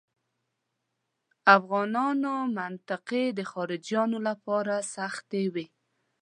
افغانانو منطقې د خارجیانو لپاره سختې وې.